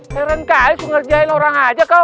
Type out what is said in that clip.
heran kali ngerjain orang aja kau